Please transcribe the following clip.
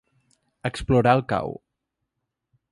Explorar el cau.